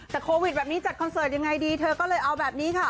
แต่โควิดแบบนี้จัดคอนเสิร์ตยังไงดีเธอก็เลยเอาแบบนี้ค่ะ